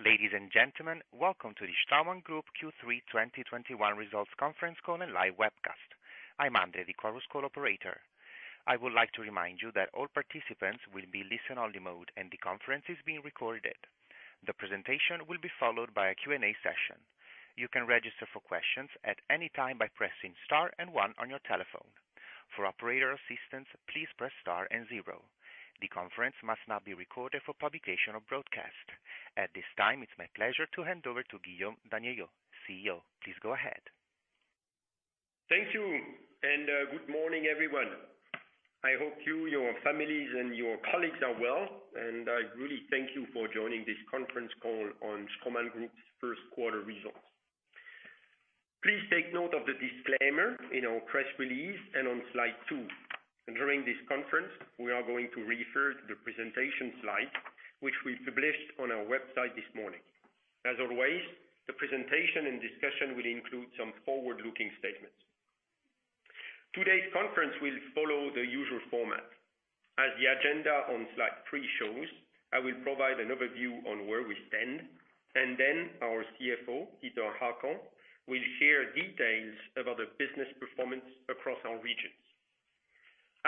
Ladies and gentlemen, welcome to the Straumann Group Q3 2021 results conference call and live webcast. I'm Andrei, the conference call operator. I would like to remind you that all participants will be in listen-only mode and the conference is being recorded. The presentation will be followed by a Q&A session. You can register for questions at any time by pressing star and one on your telephone. For operator assistance, please press star and zero. The conference must not be recorded for publication or broadcast. At this time, it's my pleasure to hand over to Guillaume Daniellot, CEO. Please go ahead. Thank you and good morning, everyone. I hope you, your families, and your colleagues are well, and I really thank you for joining this conference call on Straumann Group's first quarter results. Please take note of the disclaimer in our press release and on slide two. During this conference, we are going to refer to the presentation slides, which we published on our website this morning. As always, the presentation and discussion will include some forward-looking statements. Today's conference will follow the usual format. As the agenda on slide three shows, I will provide an overview on where we stand, and then our CFO, Peter Hackel, will share details about the business performance across our regions.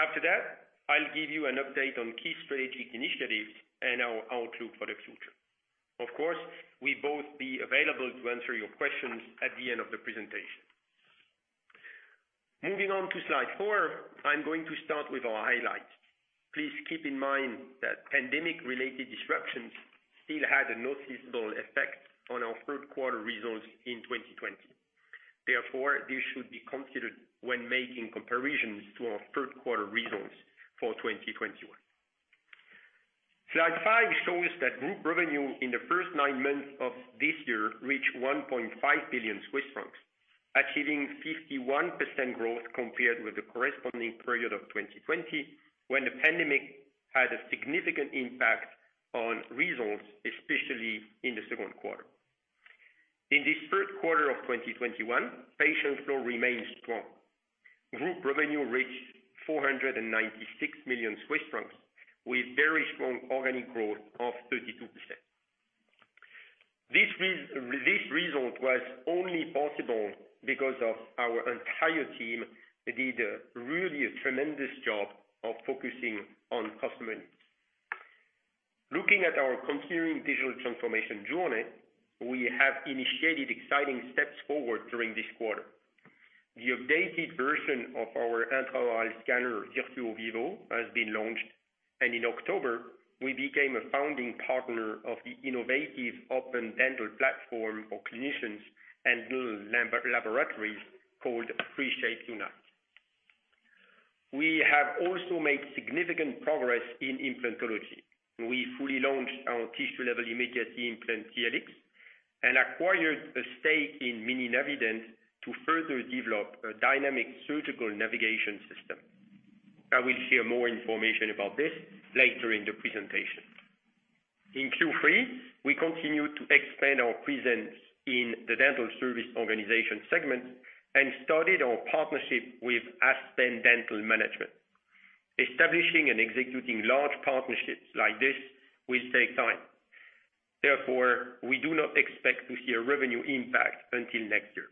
After that, I'll give you an update on key strategic initiatives and our outlook for the future. Of course, we both will be available to answer your questions at the end of the presentation. Moving on to slide four, I'm going to start with our highlights. Please keep in mind that pandemic-related disruptions still had a noticeable effect on our third quarter results in 2020. Therefore, they should be considered when making comparisons to our third quarter results for 2021. Slide five shows that group revenue in the first nine months of this year reached 1.5 billion Swiss francs, achieving 51% growth compared with the corresponding period of 2020 when the pandemic had a significant impact on results, especially in the second quarter. In this third quarter of 2021, patient flow remains strong. Group revenue reached 496 million Swiss francs, with very strong organic growth of 32%. This result was only possible because our entire team did really a tremendous job of focusing on customer needs. Looking at our continuing digital transformation journey, we have initiated exciting steps forward during this quarter. The updated version of our intraoral scanner, Virtuo Vivo, has been launched, and in October, we became a founding partner of the innovative open dental platform for clinicians and laboratories called 3Shape Unite. We have also made significant progress in implantology. We fully launched our tissue-level immediate implant, TLX, and acquired a stake in Mininavident to further develop a dynamic surgical navigation system. I will share more information about this later in the presentation. In Q3, we continued to expand our presence in the dental service organization segment and started our partnership with Aspen Dental Management. Establishing and executing large partnerships like this will take time. Therefore, we do not expect to see a revenue impact until next year.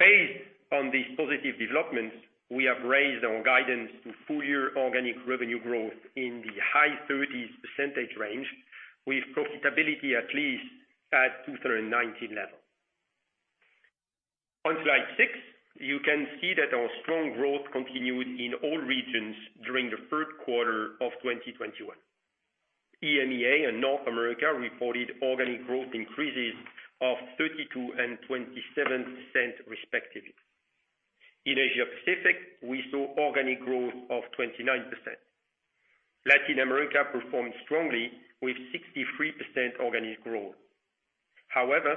Based on these positive developments, we have raised our guidance to full-year organic revenue growth in the high 30% range, with profitability at least at 2019 level. On slide six, you can see that our strong growth continued in all regions during the third quarter of 2021. EMEA and North America reported organic growth increases of 32% and 27%, respectively. In Asia Pacific, we saw organic growth of 29%. Latin America performed strongly, with 63% organic growth. However,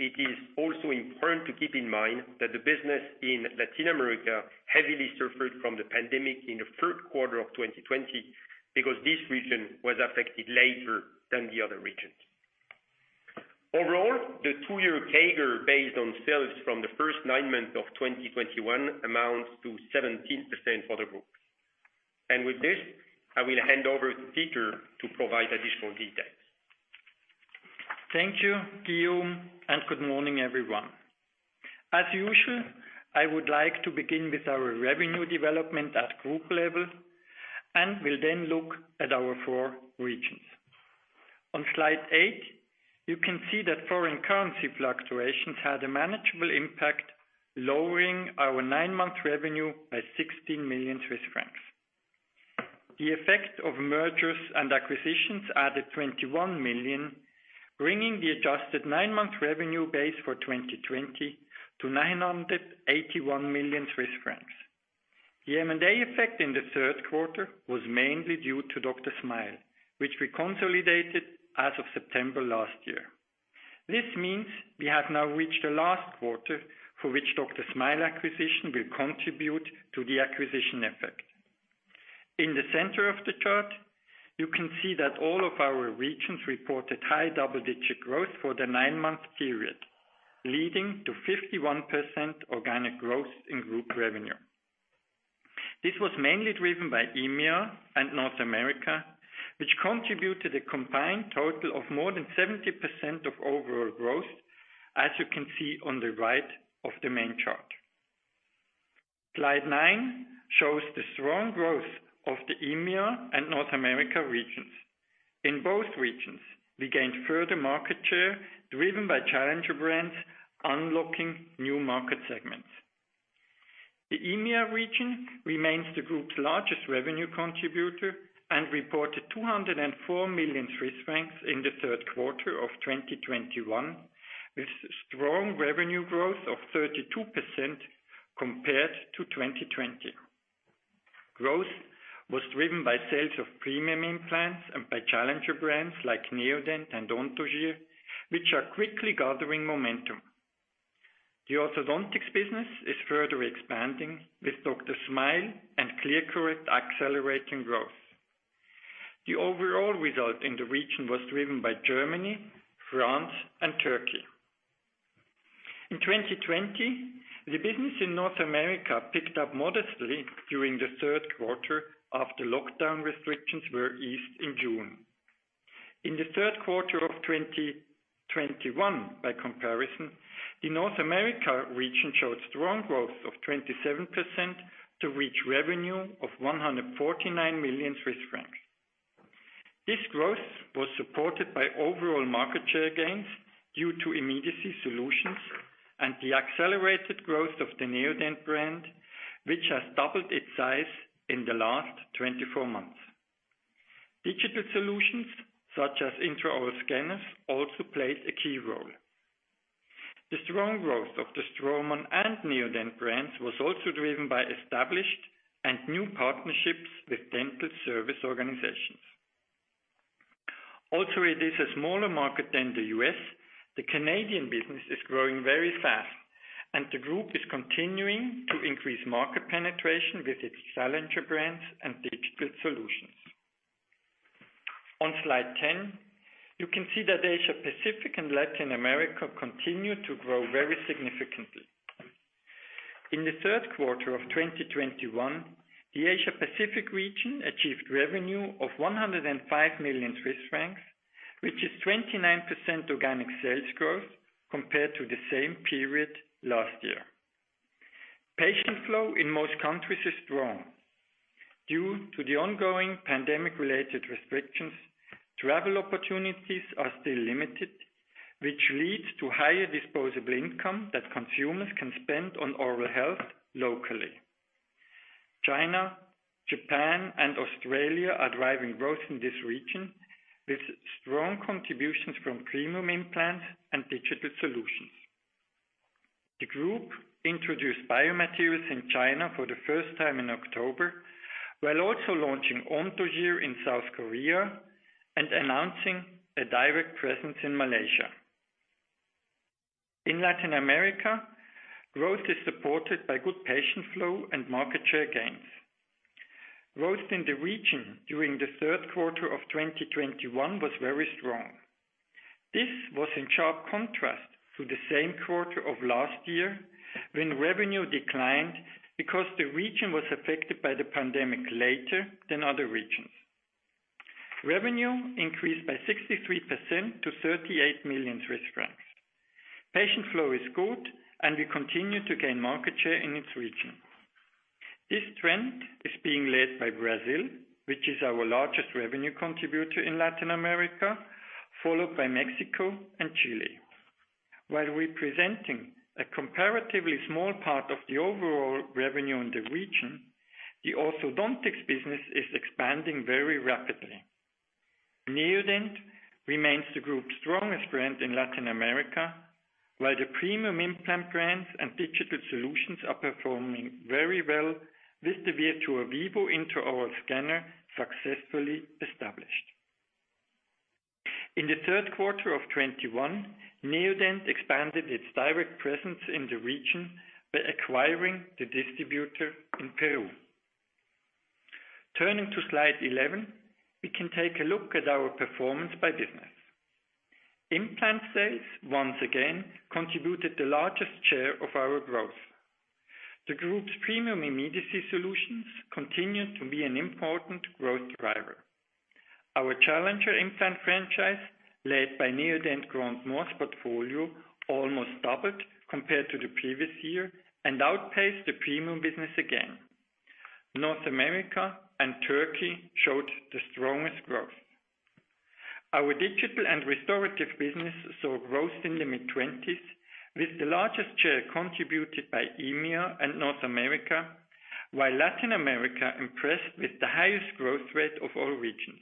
it is also important to keep in mind that the business in Latin America heavily suffered from the pandemic in the third quarter of 2020 because this region was affected later than the other regions. Overall, the two-year CAGR based on sales from the first nine months of 2021 amounts to 17% for the group. With this, I will hand over to Peter to provide additional details. Thank you, Guillaume, and good morning, everyone. As usual, I would like to begin with our revenue development at group level and will then look at our four regions. On slide eight, you can see that foreign currency fluctuations had a manageable impact, lowering our nine-month revenue by 16 million Swiss francs. The effect of mergers and acquisitions added 21 million, bringing the adjusted nine-month revenue base for 2020 to 981 million Swiss francs. The M&A effect in the third quarter was mainly due to DrSmile, which we consolidated as of September last year. This means we have now reached the last quarter for which the DrSmile acquisition will contribute to the acquisition effect. In the center of the chart, you can see that all of our regions reported high double-digit growth for the nine-month period, leading to 51% organic growth in group revenue. This was mainly driven by EMEA and North America, which contributed a combined total of more than 70% of overall growth, as you can see on the right of the main chart. Slide nine shows the strong growth of the EMEA and North America regions. In both regions, we gained further market share driven by challenger brands unlocking new market segments. The EMEA region remains the group's largest revenue contributor and reported 204 million Swiss francs in the third quarter of 2021, with strong revenue growth of 32% compared to 2020. Growth was driven by sales of premium implants and by challenger brands like Neodent and Anthogyr, which are quickly gathering momentum. The orthodontics business is further expanding with DrSmile and ClearCorrect accelerating growth. The overall result in the region was driven by Germany, France, and Turkey. In 2020, the business in North America picked up modestly during the third quarter after lockdown restrictions were eased in June. In the third quarter of 2021, by comparison, the North America region showed strong growth of 27% to reach revenue of 149 million Swiss francs. This growth was supported by overall market share gains due to immediacy solutions and the accelerated growth of the Neodent brand, which has doubled its size in the last 24 months. Digital solutions such as intraoral scanners also played a key role. The strong growth of the Straumann and Neodent brands was also driven by established and new partnerships with dental service organizations. Although it is a smaller market than the U.S., the Canadian business is growing very fast, and the group is continuing to increase market penetration with its challenger brands and digital solutions. On slide 10, you can see that Asia Pacific and Latin America continued to grow very significantly. In the third quarter of 2021, the Asia Pacific region achieved revenue of 105 million Swiss francs, which is 29% organic sales growth compared to the same period last year. Patient flow in most countries is strong. Due to the ongoing pandemic-related restrictions, travel opportunities are still limited, which leads to higher disposable income that consumers can spend on oral health locally. China, Japan, and Australia are driving growth in this region, with strong contributions from premium implants and digital solutions. The group introduced biomaterials in China for the first time in October, while also launching Anthogyr in South Korea and announcing a direct presence in Malaysia. In Latin America, growth is supported by good patient flow and market share gains. Growth in the region during the third quarter of 2021 was very strong. This was in sharp contrast to the same quarter of last year when revenue declined because the region was affected by the pandemic later than other regions. Revenue increased by 63% to 38 million Swiss francs. Patient flow is good, and we continue to gain market share in this region. This trend is being led by Brazil, which is our largest revenue contributor in Latin America, followed by Mexico and Chile. While representing a comparatively small part of the overall revenue in the region, the orthodontics business is expanding very rapidly. Neodent remains the group's strongest brand in Latin America, while the premium implant brands and digital solutions are performing very well with the Virtuo Vivo intraoral scanner successfully established. In the third quarter of 2021, Neodent expanded its direct presence in the region by acquiring the distributor in Peru. Turning to slide 11, we can take a look at our performance by business. Implant sales, once again, contributed the largest share of our growth. The group's premium immediacy solutions continue to be an important growth driver. Our challenger implant franchise, led by Neodent Grand Morse portfolio, almost doubled compared to the previous year and outpaced the premium business again. North America and Turkey showed the strongest growth. Our digital and restorative business saw growth in the mid-2020s, with the largest share contributed by EMEA and North America, while Latin America impressed with the highest growth rate of all regions.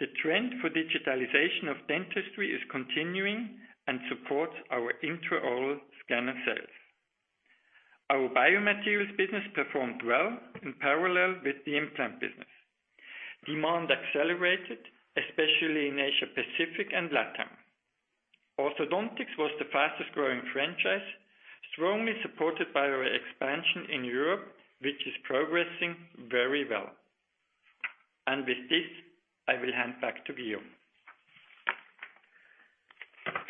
The trend for digitalization of dentistry is continuing and supports our intraoral scanner sales. Our biomaterials business performed well in parallel with the implant business. Demand accelerated, especially in Asia Pacific and Latin. Orthodontics was the fastest-growing franchise, strongly supported by our expansion in Europe, which is progressing very well. With this, I will hand back to Guillaume.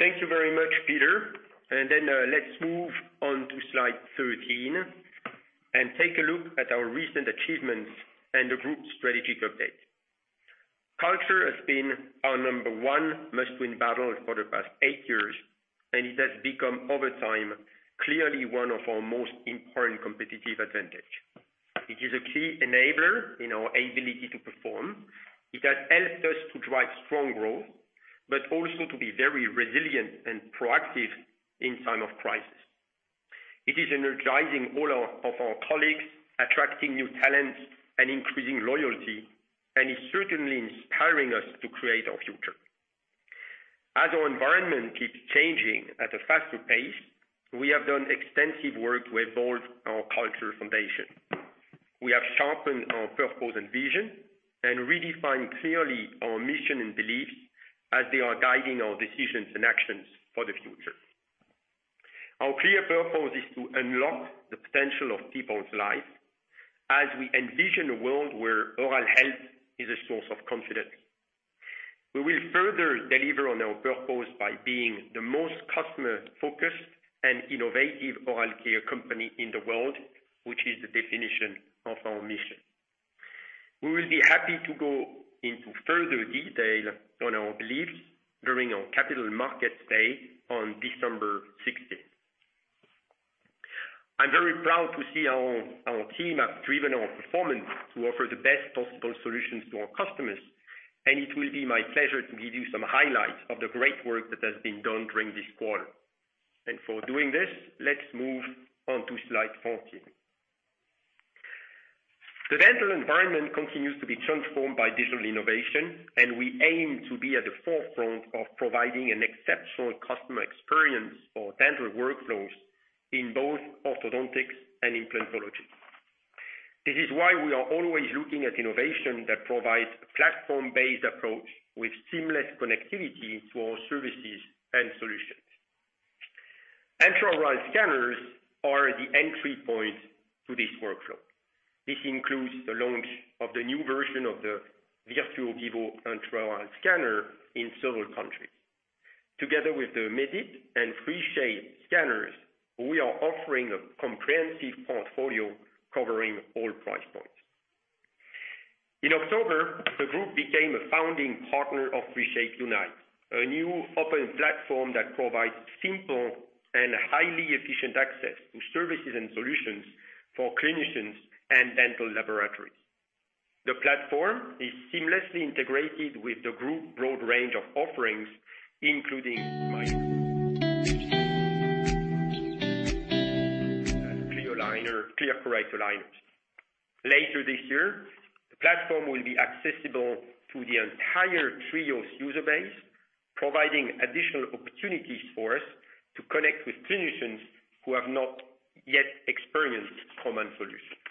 Thank you very much, Peter. Let's move on to slide 13 and take a look at our recent achievements and the group's strategic update. Culture has been our number one must-win battle for the past eight years, and it has become, over time, clearly one of our most important competitive advantages. It is a key enabler in our ability to perform. It has helped us to drive strong growth, but also to be very resilient and proactive in times of crisis. It is energizing all of our colleagues, attracting new talents and increasing loyalty, and is certainly inspiring us to create our future. As our environment keeps changing at a faster pace, we have done extensive work to evolve our culture foundation. We have sharpened our purpose and vision and redefined clearly our mission and beliefs as they are guiding our decisions and actions for the future. Our clear purpose is to unlock the potential of people's lives as we envision a world where oral health is a source of confidence. We will further deliver on our purpose by being the most customer-focused and innovative oral care company in the world, which is the definition of our mission. We will be happy to go into further detail on our beliefs during our capital markets day on December 16th. I'm very proud to see how our team has driven our performance to offer the best possible solutions to our customers, and it will be my pleasure to give you some highlights of the great work that has been done during this quarter. For doing this, let's move on to slide 14. The dental environment continues to be transformed by digital innovation, and we aim to be at the forefront of providing an exceptional customer experience for dental workflows in both orthodontics and implantology. This is why we are always looking at innovation that provides a platform-based approach with seamless connectivity to our services and solutions. Intraoral scanners are the entry point to this workflow. This includes the launch of the new version of the Virtuo Vivo intraoral scanner in several countries. Together with the Medit and 3Shape scanners, we are offering a comprehensive portfolio covering all price points. In October, the group became a founding partner of 3Shape Unite, a new open platform that provides simple and highly efficient access to services and solutions for clinicians and dental laboratories. The platform is seamlessly integrated with the group's broad range of offerings, including ClearCorrect aligners. Later this year, the platform will be accessible to the entire TRIOS user base, providing additional opportunities for us to connect with clinicians who have not yet experienced common solutions.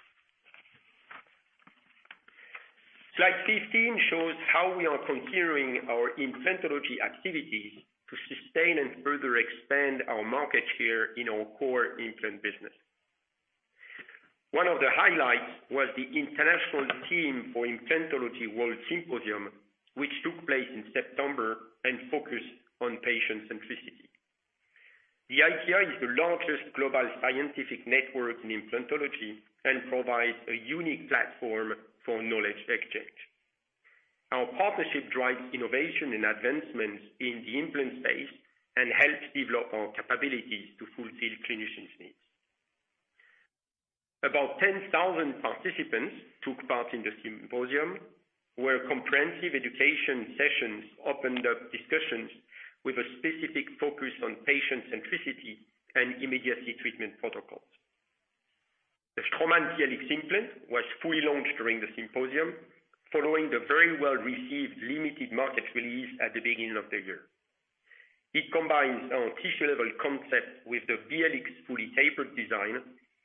Slide 15 shows how we are continuing our implantology activities to sustain and further expand our market share in our core implant business. One of the highlights was the International Team for Implantology World Symposium, which took place in September and focused on patient centricity. The ITI is the largest global scientific network in implantology and provides a unique platform for knowledge exchange. Our partnership drives innovation and advancements in the implant space and helps develop our capabilities to fulfill clinicians' needs. About 10,000 participants took part in the symposium, where comprehensive education sessions opened up discussions with a specific focus on patient centricity and immediate treatment protocols. The Straumann TLX implant was fully launched during the symposium, following the very well-received limited market release at the beginning of the year. It combines our tissue-level concept with the TLX fully tapered design,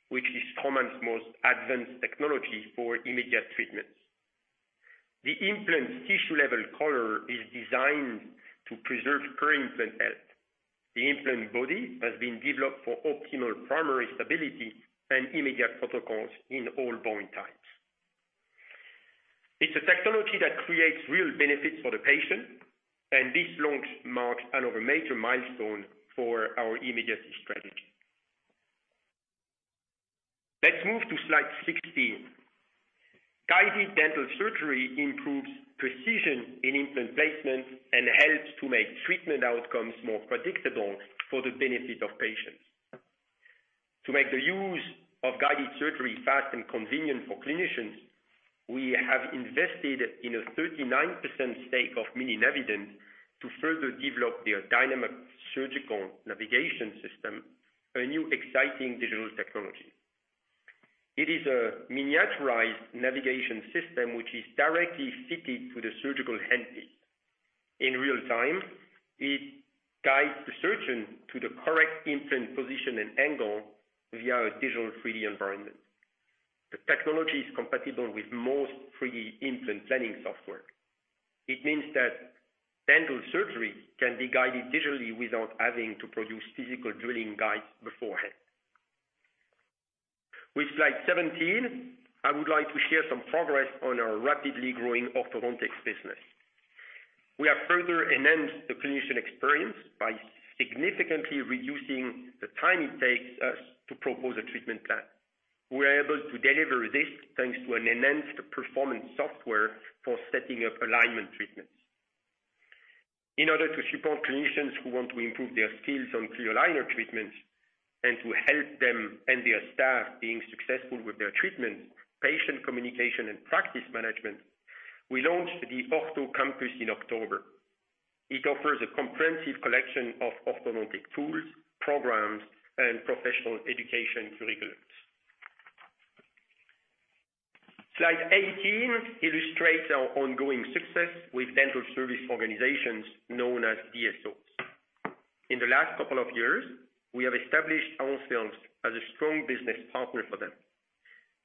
which is Straumann's most advanced technology for immediate treatments. The implant's tissue-level collar is designed to preserve peri-implant health. The implant body has been developed for optimal primary stability and immediate protocols in all bone types. It's a technology that creates real benefits for the patient, and this launch marks another major milestone for our immediate strategy. Let's move to slide 16. Guided dental surgery improves precision in implant placement and helps to make treatment outcomes more predictable for the benefit of patients. To make the use of guided surgery fast and convenient for clinicians, we have invested in a 39% stake of Mininavident to further develop their dynamic surgical navigation system, a new exciting digital technology. It is a miniaturized navigation system which is directly fitted to the surgical handpiece. In real time, it guides the surgeon to the correct implant position and angle via a digital 3D environment. The technology is compatible with most 3D implant planning software. It means that dental surgery can be guided digitally without having to produce physical drilling guides beforehand. With slide 17, I would like to share some progress on our rapidly growing orthodontics business. We have further enhanced the clinician experience by significantly reducing the time it takes us to propose a treatment plan. We are able to deliver this thanks to an enhanced performance software for setting up alignment treatments. In order to support clinicians who want to improve their skills on ClearCorrect treatments and to help them and their staff being successful with their treatments, patient communication, and practice management, we launched the Ortho Campus in October. It offers a comprehensive collection of orthodontic tools, programs, and professional education curriculums. Slide 18 illustrates our ongoing success with dental service organizations known as DSOs. In the last couple of years, we have established ourselves as a strong business partner for them.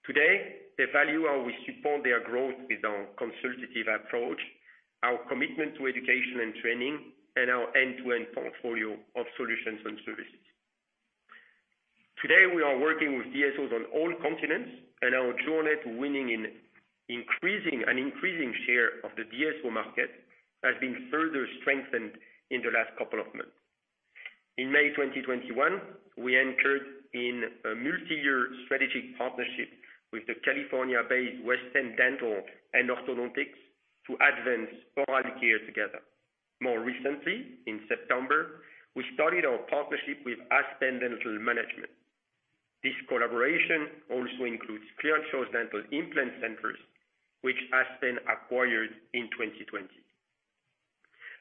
Today, they value how we support their growth with our consultative approach, our commitment to education and training, and our end-to-end portfolio of solutions and services. Today, we are working with DSOs on all continents, and our journey to winning in increasing and increasing share of the DSO market has been further strengthened in the last couple of months. In May 2021, we entered in a multi-year strategic partnership with the California-based West End Dental and Orthodontics to advance oral care together. More recently, in September, we started our partnership with Aspen Dental Management. This collaboration also includes ClearChoice Dental Implant Centers, which Aspen acquired in 2020.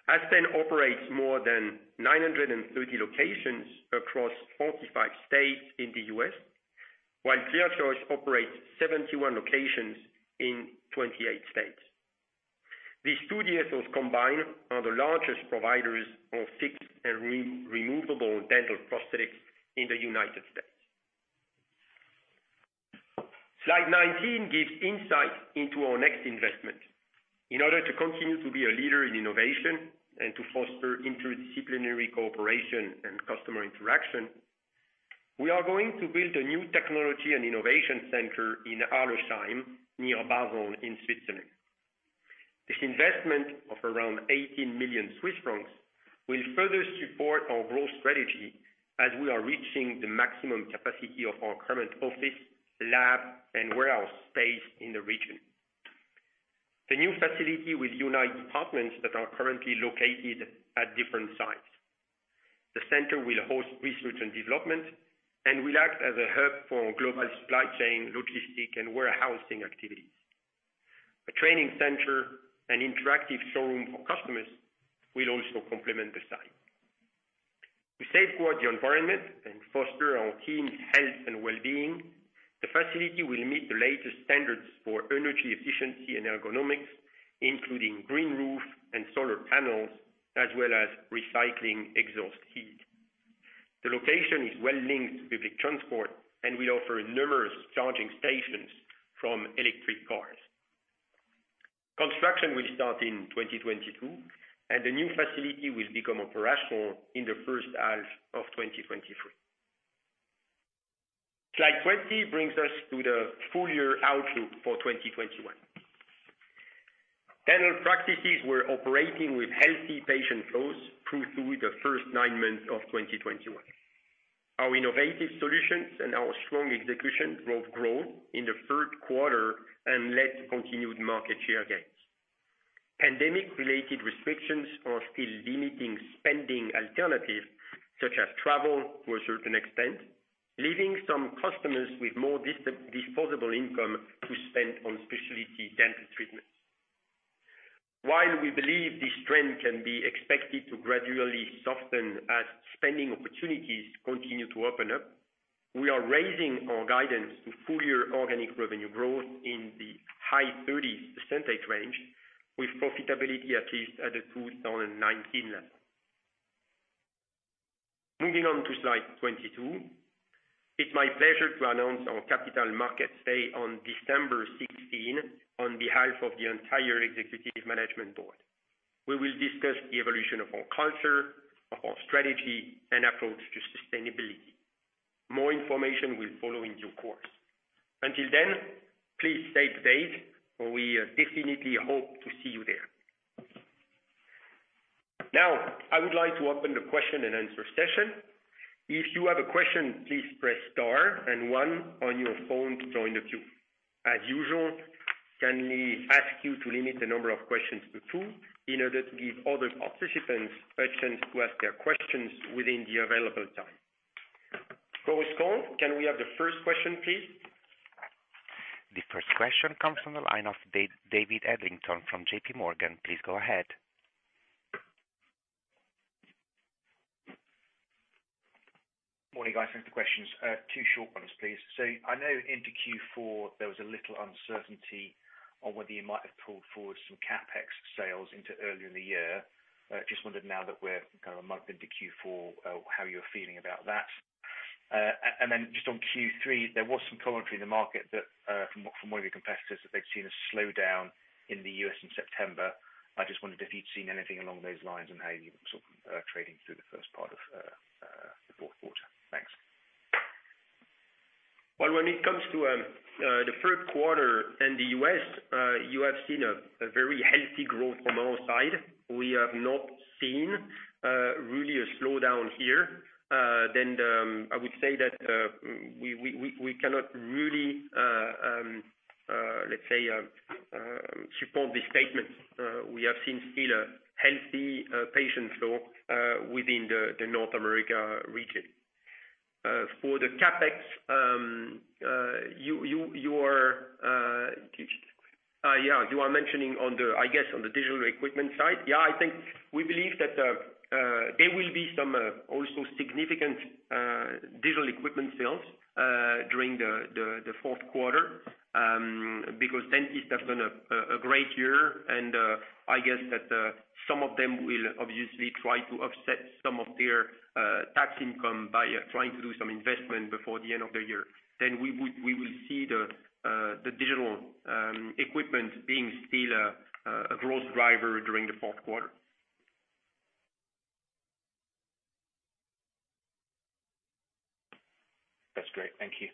Aspen operates more than 930 locations across 45 states in the U.S., while ClearChoice operates 71 locations in 28 states. These two DSOs combined are the largest providers of fixed and removable dental prosthetics in the United States. Slide 19 gives insight into our next investment. In order to continue to be a leader in innovation and to foster interdisciplinary cooperation and customer interaction, we are going to build a new technology and innovation center in Arlesheim near Basel in Switzerland. This investment of around 18 million Swiss francs will further support our growth strategy as we are reaching the maximum capacity of our current office, lab, and warehouse space in the region. The new facility will unite departments that are currently located at different sites. The center will host research and development and will act as a hub for global supply chain, logistic, and warehousing activities. A training center and interactive showroom for customers will also complement the site. To safeguard the environment and foster our team's health and well-being, the facility will meet the latest standards for energy efficiency and ergonomics, including green roof and solar panels, as well as recycling exhaust heat. The location is well linked to public transport and will offer numerous charging stations for electric cars. Construction will start in 2022, and the new facility will become operational in the first half of 2023. Slide 20 brings us to the full year outlook for 2021. Dental practices were operating with healthy patient flows through the first nine months of 2021. Our innovative solutions and our strong execution drove growth in the third quarter and led to continued market share gains. Pandemic-related restrictions are still limiting spending alternatives, such as travel to a certain extent, leaving some customers with more disposable income to spend on specialty dental treatments. While we believe this trend can be expected to gradually soften as spending opportunities continue to open up, we are raising our guidance to full year organic revenue growth in the high 30% range, with profitability at least at the 2019 level. Moving on to slide 22, it's my pleasure to announce our capital markets day on December 16 on behalf of the entire executive management board. We will discuss the evolution of our culture, of our strategy, and approach to sustainability. More information will follow in due course. Until then, please stay updated, and we definitely hope to see you there. Now, I would like to open the question and answer session. If you have a question, please press star and one on your phone to join the queue. As usual, can we ask you to limit the number of questions to two in order to give other participants a chance to ask their questions within the available time? Correspond, can we have the first question, please? The first question comes from the line of David Adlington from JPMorgan. Please go ahead. Morning, guys. Thanks for the questions. Two short ones, please. I know into Q4, there was a little uncertainty on whether you might have pulled forward some CapEx sales into earlier in the year. I just wondered now that we're kind of a month into Q4 how you're feeling about that. Just on Q3, there was some commentary in the market from one of your competitors that they'd seen a slowdown in the U.S. in September. I just wondered if you'd seen anything along those lines and how you're sort of trading through the first part of the fourth quarter. Thanks. When it comes to the third quarter and the U.S., you have seen a very healthy growth on our side. We have not seen really a slowdown here. I would say that we cannot really, let's say, support this statement. We have seen still a healthy patient flow within the North America region. For the CapEx, you are mentioning on the, I guess, on the digital equipment side. Yeah, I think we believe that there will be some also significant digital equipment sales during the fourth quarter because dentists have done a great year. I guess that some of them will obviously try to offset some of their tax income by trying to do some investment before the end of the year. We will see the digital equipment being still a growth driver during the fourth quarter. That's great. Thank you.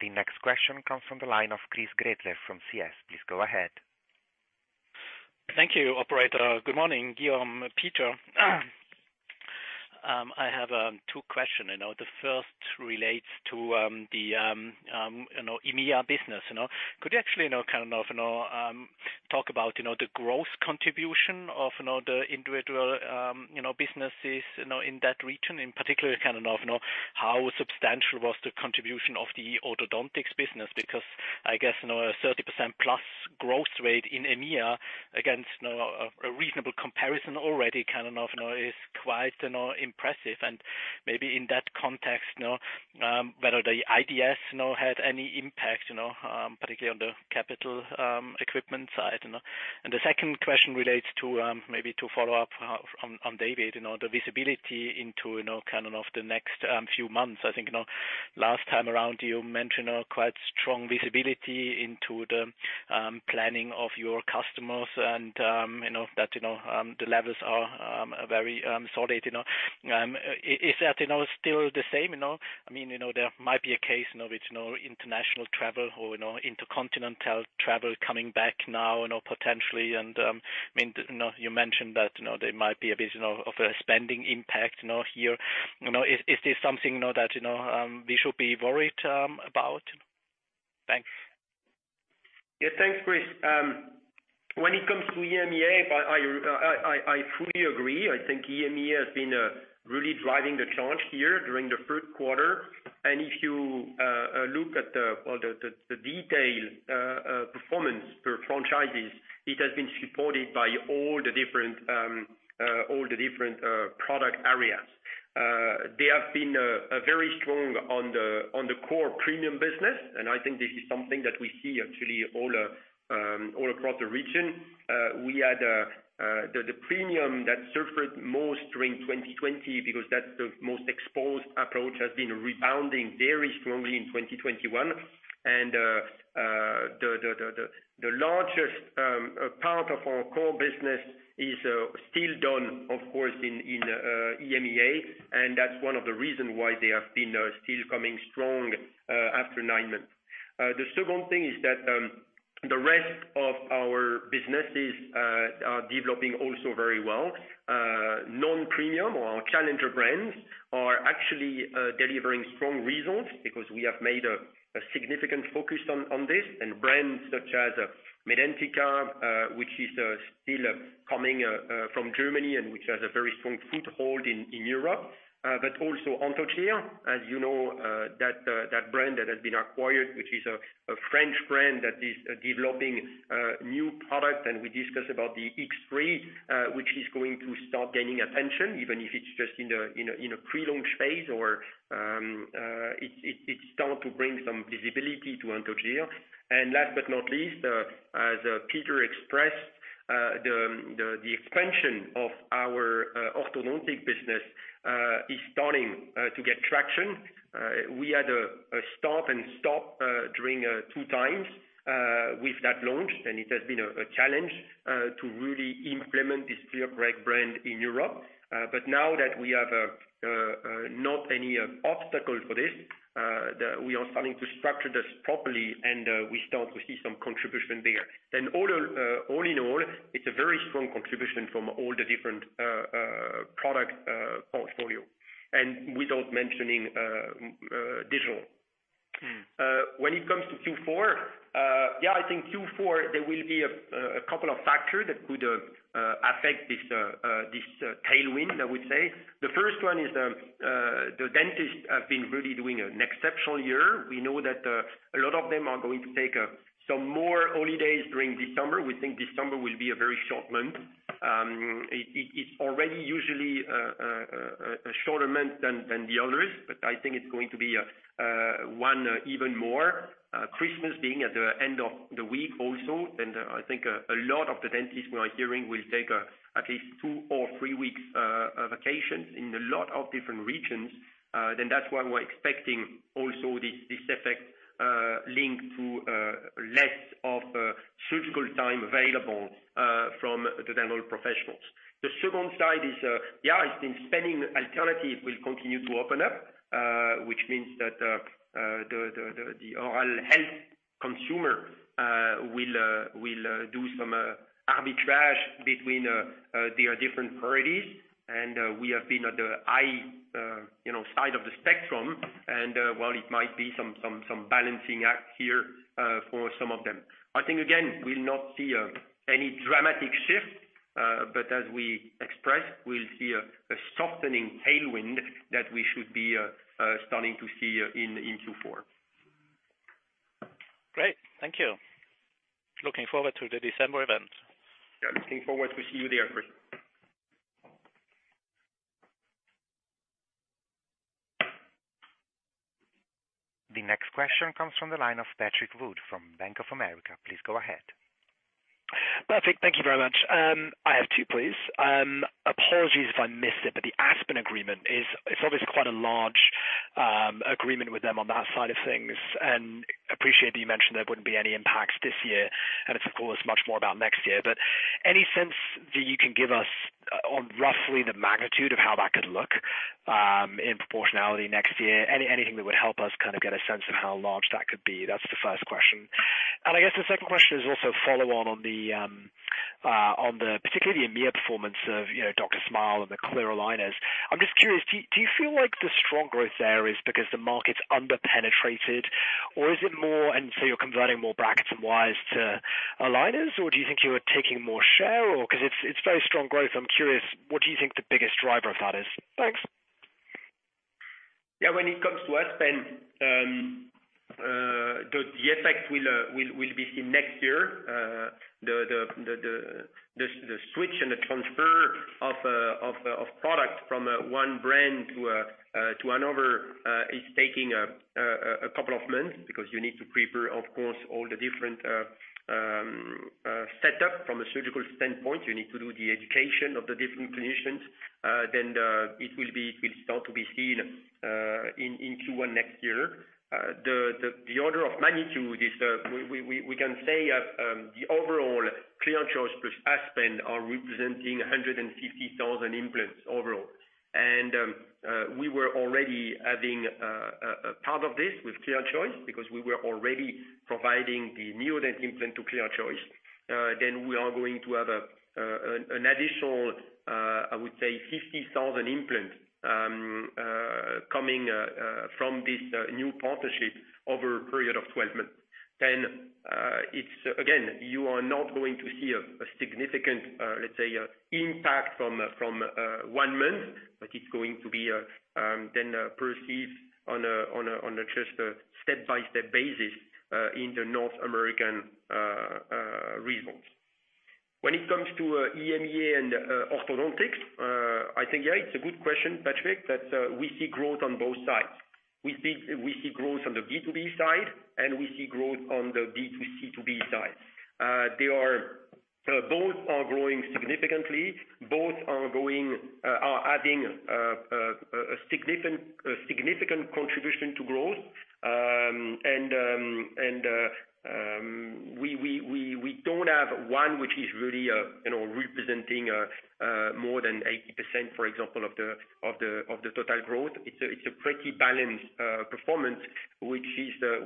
The next question comes from the line of Chris Gretler from CS. Please go ahead. Thank you, Operator. Good morning, Guillaume, Peter. I have two questions. The first relates to the EMEA business. Could you actually kind of talk about the growth contribution of the individual businesses in that region? In particular, kind of how substantial was the contribution of the orthodontics business? Because I guess a 30%+ growth rate in EMEA against a reasonable comparison already kind of is quite impressive. Maybe in that context, whether the IDS had any impact, particularly on the capital equipment side. The second question relates to maybe to follow up on David, the visibility into kind of the next few months. I think last time around, you mentioned quite strong visibility into the planning of your customers and that the levels are very solid. Is that still the same? I mean, there might be a case with international travel or intercontinental travel coming back now potentially. I mean, you mentioned that there might be a bit of a spending impact here. Is this something that we should be worried about? Thanks. Yeah, thanks, Chris. When it comes to EMEA, I fully agree. I think EMEA has been really driving the charge here during the third quarter. If you look at the detailed performance for franchises, it has been supported by all the different product areas. They have been very strong on the core premium business. I think this is something that we see actually all across the region. We had the premium that surfaced most during 2020 because that's the most exposed approach has been rebounding very strongly in 2021. The largest part of our core business is still done, of course, in EMEA. That is one of the reasons why they have been still coming strong after nine months. The second thing is that the rest of our businesses are developing also very well. Non-premium or challenger brands are actually delivering strong results because we have made a significant focus on this. Brands such as Medentika, which is still coming from Germany and which has a very strong foothold in Europe, but also Anthogyr, as you know, that brand that has been acquired, which is a French brand that is developing new products. We discussed about the X3, which is going to start gaining attention, even if it's just in a prelaunch phase, or it's starting to bring some visibility to Anthogyr. Last but not least, as Peter expressed, the expansion of our orthodontic business is starting to get traction. We had a stop and stop during two times with that launch, and it has been a challenge to really implement this ClearCorrect brand in Europe. Now that we have not any obstacle for this, we are starting to structure this properly, and we start to see some contribution there. All in all, it is a very strong contribution from all the different product portfolios, and without mentioning digital. When it comes to Q4, yeah, I think Q4, there will be a couple of factors that could affect this tailwind, I would say. The first one is the dentists have been really doing an exceptional year. We know that a lot of them are going to take some more holidays during this summer. We think this summer will be a very short month. It is already usually a shorter month than the others, but I think it is going to be one even more. Christmas being at the end of the week also, and I think a lot of the dentists we are hearing will take at least two or three weeks' vacations in a lot of different regions. That is why we are expecting also this effect linked to less of surgical time available from the dental professionals. The second side is, yeah, spending alternative will continue to open up, which means that the oral health consumer will do some arbitrage between their different priorities. We have been at the high side of the spectrum. While it might be some balancing act here for some of them, I think, again, we will not see any dramatic shift. As we expressed, we will see a softening tailwind that we should be starting to see in Q4. Great. Thank you. Looking forward to the December event. Looking forward to see you there, Chris. The next question comes from the line of Patrick Wood from Bank of America. Please go ahead. Perfect. Thank you very much. I have two, please. Apologies if I missed it, but the Aspen agreement is obviously quite a large agreement with them on that side of things. I appreciate that you mentioned there wouldn't be any impacts this year. It is, of course, much more about next year. Any sense that you can give us on roughly the magnitude of how that could look in proportionality next year? Anything that would help us kind of get a sense of how large that could be? That's the first question. I guess the second question is also a follow-on on particularly the EMEA performance of DrSmile and the Clear aligners. I'm just curious, do you feel like the strong growth there is because the market's underpenetrated, or is it more? You are converting more brackets and wires to aligners, or do you think you're taking more share? Because it's very strong growth. I'm curious, what do you think the biggest driver of that is? Thanks. Yeah, when it comes to Aspen, the effect will be seen next year. The switch and the transfer of product from one brand to another is taking a couple of months because you need to prepare, of course, all the different setups from a surgical standpoint. You need to do the education of the different clinicians. It will start to be seen in Q1 next year. The order of magnitude is we can say the overall ClearChoice plus Aspen are representing 150,000 implants overall. We were already having part of this with ClearChoice because we were already providing the Neodent implant to ClearChoice. We are going to have an additional, I would say, 50,000 implants coming from this new partnership over a period of 12 months. You are not going to see a significant, let's say, impact from one month, but it is going to be perceived on a step-by-step basis in the North American regions. When it comes to EMEA and orthodontics, I think, yeah, it is a good question, Patrick, that we see growth on both sides. We see growth on the B2B side, and we see growth on the B2C2B side. Both are growing significantly. Both are adding a significant contribution to growth. We do not have one which is really representing more than 80%, for example, of the total growth. It's a pretty balanced performance, which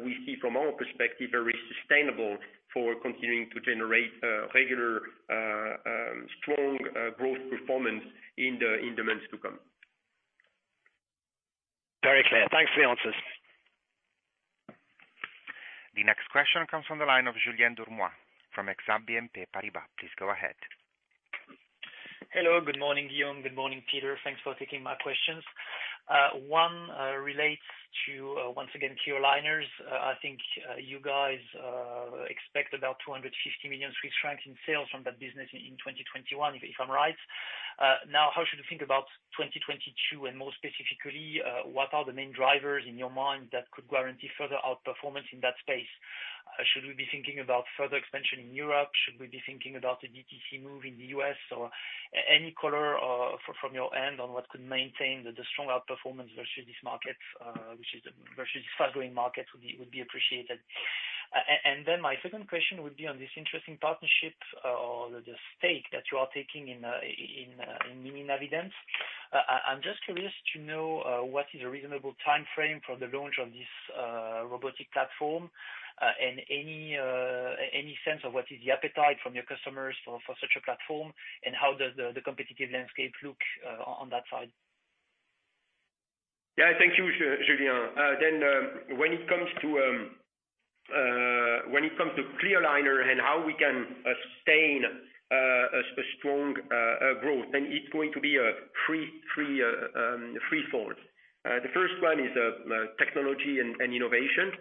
we see from our perspective very sustainable for continuing to generate regular strong growth performance in the months to come. Very clear. Thanks for the answers. The next question comes from the line of Julien Dormois from Exane BNP Paribas. Please go ahead. Hello. Good morning, Guillaume. Good morning, Peter. Thanks for taking my questions. One relates to, once again, Clear Aligners. I think you guys expect about 250 million Swiss francs in sales from that business in 2021, if I'm right. Now, how should we think about 2022? And more specifically, what are the main drivers in your mind that could guarantee further outperformance in that space? Should we be thinking about further expansion in Europe? Should we be thinking about a DTC move in the U.S.? Any color from your end on what could maintain the strong outperformance versus this market, which is a fast-growing market, would be appreciated. My second question would be on this interesting partnership or the stake that you are taking in Mininavident. I'm just curious to know what is a reasonable time frame for the launch of this robotic platform and any sense of what is the appetite from your customers for such a platform, and how does the competitive landscape look on that side? Yeah, thank you, Julien. When it comes to Clear aligner and how we can sustain a strong growth, then it's going to be threefold. The first one is technology and innovation.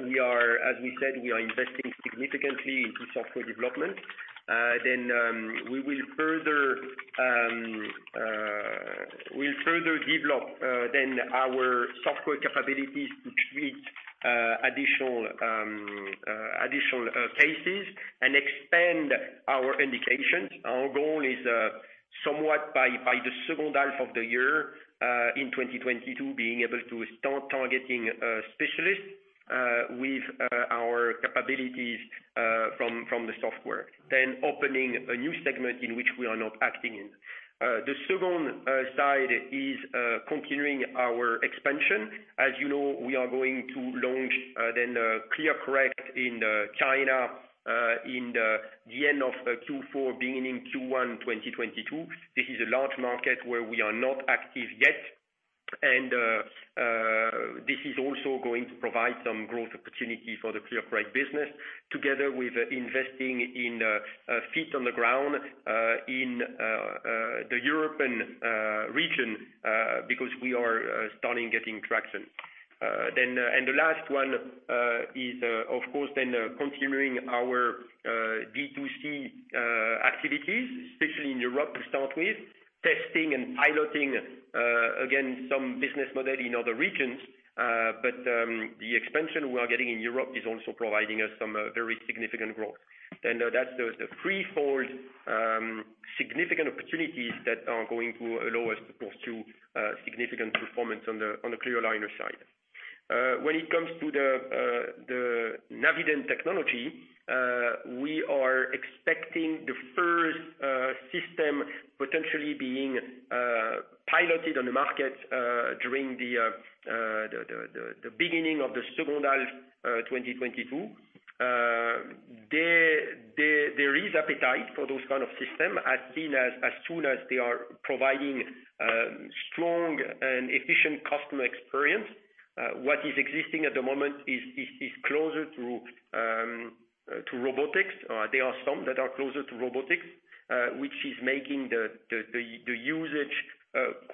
As we said, we are investing significantly in software development. We will further develop our software capabilities to treat additional cases and expand our indications. Our goal is somewhat by the second half of the year in 2022, being able to start targeting specialists with our capabilities from the software, then opening a new segment in which we are not acting in. The second side is continuing our expansion. As you know, we are going to launch ClearCorrect in China in the end of Q4, beginning Q1 2022. This is a large market where we are not active yet. This is also going to provide some growth opportunity for the ClearCorrect business, together with investing in feet on the ground in the European region because we are starting getting traction. The last one is, of course, then continuing our DTC activities, especially in Europe to start with, testing and piloting, again, some business model in other regions. The expansion we are getting in Europe is also providing us some very significant growth. That is the threefold significant opportunities that are going to allow us to pursue significant performance on the Clear aligner side. When it comes to the Navident technology, we are expecting the first system potentially being piloted on the market during the beginning of the second half 2022. There is appetite for those kinds of systems as soon as they are providing strong and efficient customer experience. What is existing at the moment is closer to robotics. There are some that are closer to robotics, which is making the usage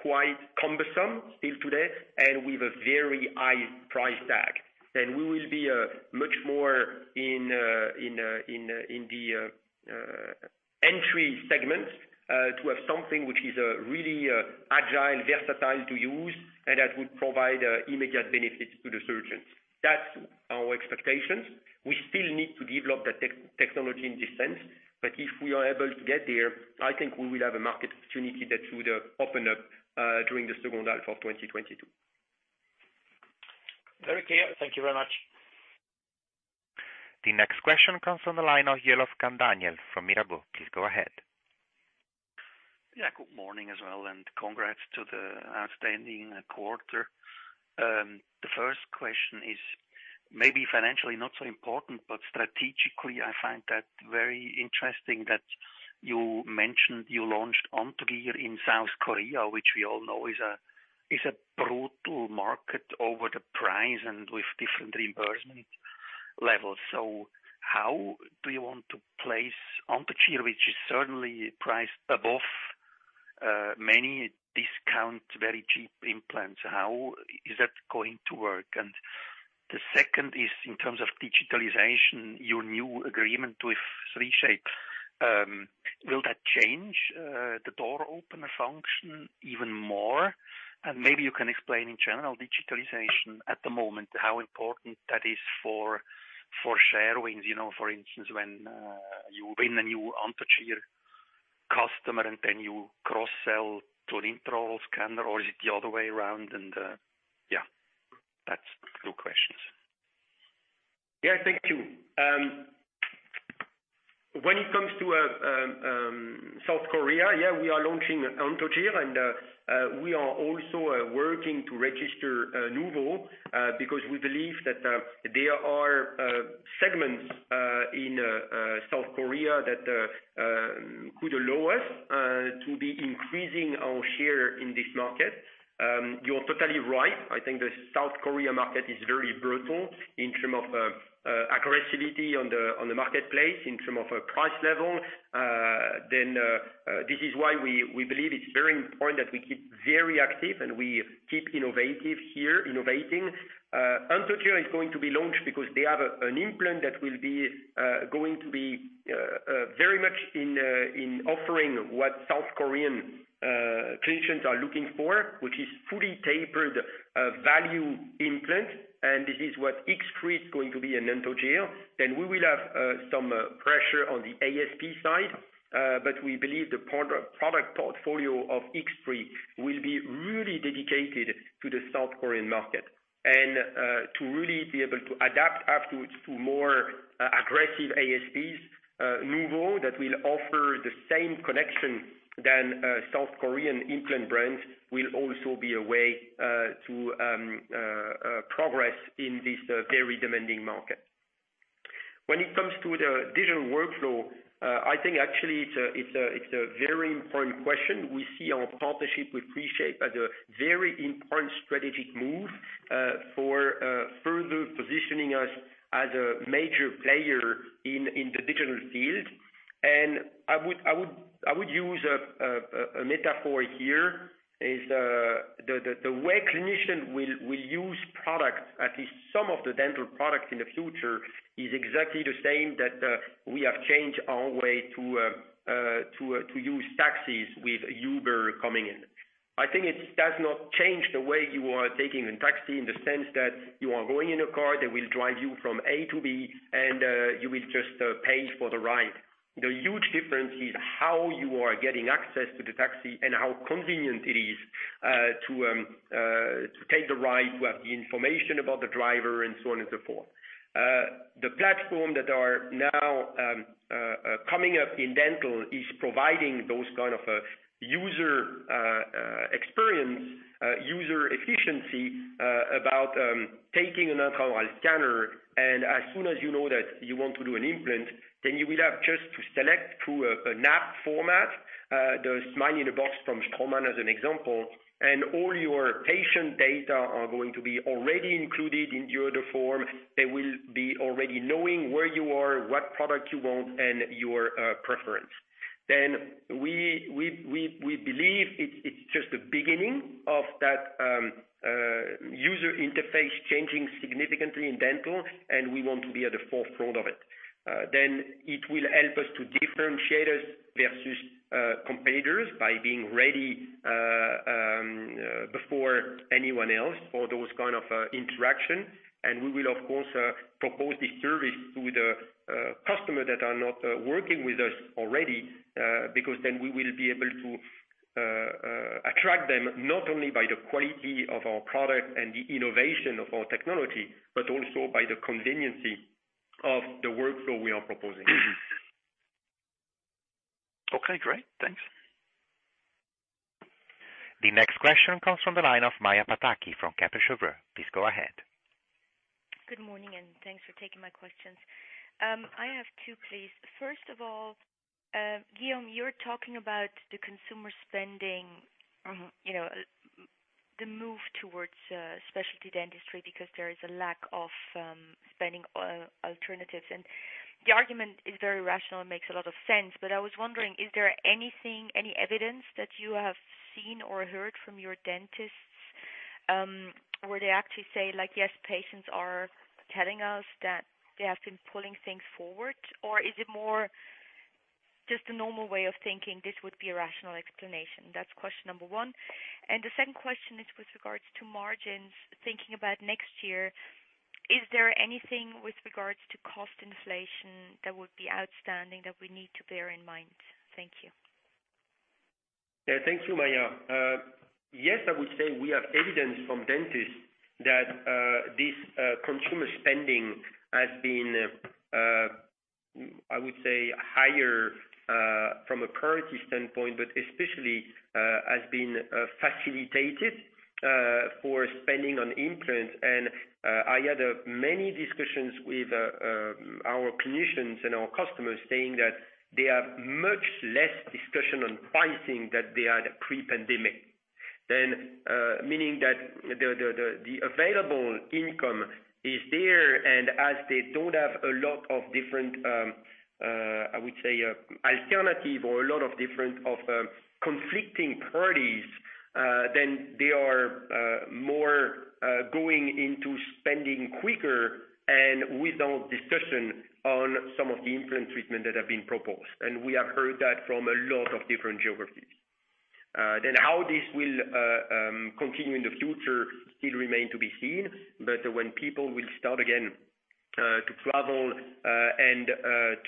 quite cumbersome still today and with a very high price tag. We will be much more in the entry segment to have something which is really agile, versatile to use, and that would provide immediate benefits to the surgeons. That is our expectations. We still need to develop that technology in this sense. If we are able to get there, I think we will have a market opportunity that should open up during the second half of 2022. Very clear. Thank you very much. The next question comes from the line of Daniel Jelovcan from Mirabaud. Please go ahead. Yeah, good morning as well, and congrats to the outstanding quarter. The first question is maybe financially not so important, but strategically, I find that very interesting that you mentioned you launched Anthogyr in South Korea, which we all know is a brutal market over the price and with different reimbursement levels. How do you want to place Anthogyr, which is certainly priced above many discount, very cheap implants? How is that going to work? The second is in terms of digitalization, your new agreement with 3Shape, will that change the door opener function even more? Maybe you can explain in general digitalization at the moment, how important that is for share wins. For instance, when you win a new Anthogyr customer and then you cross-sell to an intraoral scanner, or is it the other way around? That is two questions. Thank you. When it comes to South Korea, we are launching Anthogyr, and we are also working to register NUVO because we believe that there are segments in South Korea that could allow us to be increasing our share in this market. You are totally right. I think the South Korea market is very brutal in terms of aggressivity on the marketplace, in terms of price level. This is why we believe it's very important that we keep very active and we keep innovative here, innovating. Anthogyr is going to be launched because they have an implant that will be going to be very much in offering what South Korean clinicians are looking for, which is fully tapered value implants. This is what X3 is going to be in Anthogyr. We will have some pressure on the ASP side, but we believe the product portfolio of X3 will be really dedicated to the South Korean market and to really be able to adapt afterwards to more aggressive ASPs. NUVO that will offer the same connection than South Korean implant brands will also be a way to progress in this very demanding market. When it comes to the digital workflow, I think actually it's a very important question. We see our partnership with 3Shape as a very important strategic move for further positioning us as a major player in the digital field. I would use a metaphor here. The way clinicians will use products, at least some of the dental products in the future, is exactly the same that we have changed our way to use taxis with Uber coming in. I think it does not change the way you are taking a taxi in the sense that you are going in a car that will drive you from A to B, and you will just pay for the ride. The huge difference is how you are getting access to the taxi and how convenient it is to take the ride, to have the information about the driver, and so on and so forth. The platforms that are now coming up in dental are providing those kinds of user experience, user efficiency about taking an intraoral scanner. As soon as you know that you want to do an implant, you will have just to select through a app format, the Smile in a Box from Straumann as an example, and all your patient data are going to be already included in the order form. They will already know where you are, what product you want, and your preference. We believe it is just the beginning of that user interface changing significantly in dental, and we want to be at the forefront of it. It will help us to differentiate us versus competitors by being ready before anyone else for those kinds of interactions. We will, of course, propose this service to the customers that are not working with us already because we will be able to attract them not only by the quality of our product and the innovation of our technology, but also by the conveniency of the workflow we are proposing. Okay, great. Thanks. The next question comes from the line of Maja Pataki from Kepler Cheuvreux. Please go ahead. Good morning, and thanks for taking my questions. I have two, please. First of all, Guillaume, you're talking about the consumer spending, the move towards specialty dentistry because there is a lack of spending alternatives. The argument is very rational and makes a lot of sense. I was wondering, is there anything, any evidence that you have seen or heard from your dentists where they actually say, like, "Yes, patients are telling us that they have been pulling things forward," or is it more just a normal way of thinking, "This would be a rational explanation"? That's question number one. The second question is with regards to margins. Thinking about next year, is there anything with regards to cost inflation that would be outstanding that we need to bear in mind? Thank you. Yeah, thank you, Maja. Yes, I would say we have evidence from dentists that this consumer spending has been, I would say, higher from a priority standpoint, but especially has been facilitated for spending on implants. I had many discussions with our clinicians and our customers saying that they have much less discussion on pricing than they had pre-pandemic, meaning that the available income is there. As they do not have a lot of different, I would say, alternatives or a lot of different conflicting parties, they are more going into spending quicker and without discussion on some of the implant treatment that have been proposed. We have heard that from a lot of different geographies. How this will continue in the future still remains to be seen. When people will start again to travel and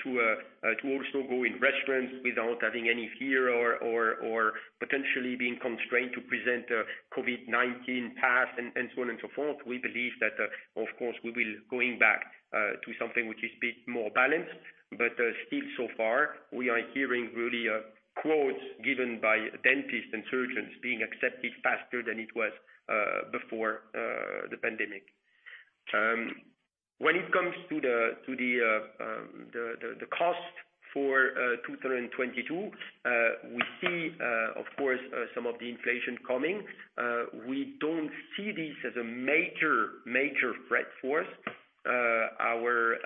to also go in restaurants without having any fear or potentially being constrained to present a COVID-19 pass and so on and so forth, we believe that, of course, we will be going back to something which is a bit more balanced. Still, so far, we are hearing really quotes given by dentists and surgeons being accepted faster than it was before the pandemic. When it comes to the cost for 2022, we see, of course, some of the inflation coming. We do not see this as a major, major threat for us. Our,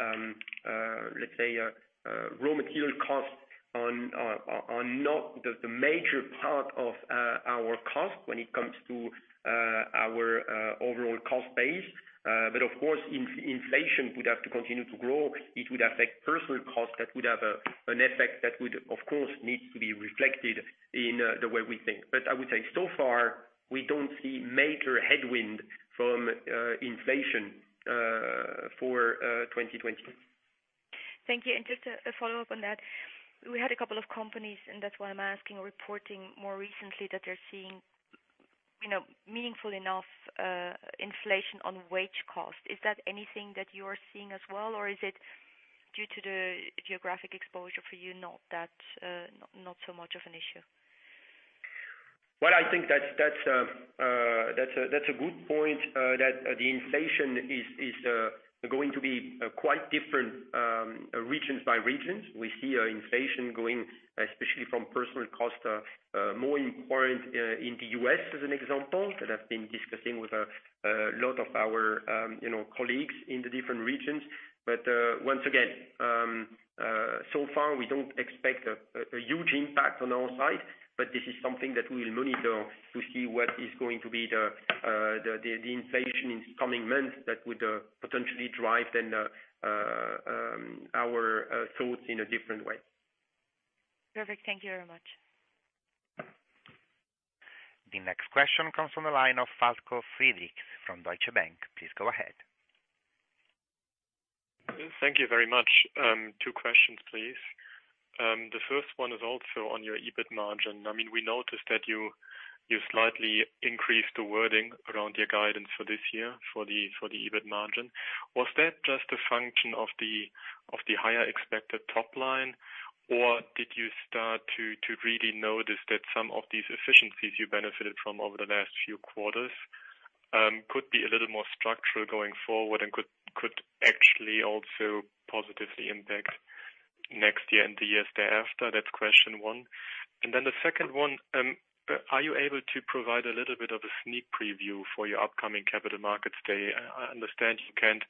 let's say, raw material costs are not the major part of our cost when it comes to our overall cost base. Of course, if inflation would have to continue to grow, it would affect personnel costs that would have an effect that would, of course, need to be reflected in the way we think. I would say so far, we do not see major headwind from inflation for 2022. Thank you. Just a follow-up on that. We had a couple of companies, and that's why I'm asking, reporting more recently that they're seeing meaningful enough inflation on wage cost. Is that anything that you are seeing as well, or is it due to the geographic exposure for you, not so much of an issue? I think that's a good point that the inflation is going to be quite different regions by regions. We see inflation going, especially from personal cost, more important in the U.S. as an example. That has been discussing with a lot of our colleagues in the different regions. Once again, so far, we don't expect a huge impact on our side, but this is something that we will monitor to see what is going to be the inflation in the coming months that would potentially drive then our thoughts in a different way. Perfect. Thank you very much. The next question comes from the line of Falko Friedrichs from Deutsche Bank. Please go ahead. Thank you very much. Two questions, please. The first one is also on your EBIT margin. I mean, we noticed that you slightly increased the wording around your guidance for this year for the EBIT margin. Was that just a function of the higher expected top line, or did you start to really notice that some of these efficiencies you benefited from over the last few quarters could be a little more structural going forward and could actually also positively impact next year and the years thereafter? That's question one. The second one, are you able to provide a little bit of a sneak preview for your upcoming capital markets day? I understand you can't